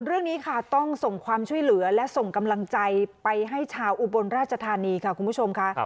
เรื่องนี้ค่ะต้องส่งความช่วยเหลือและส่งกำลังใจไปให้ชาวอุบลราชธานีค่ะคุณผู้ชมค่ะ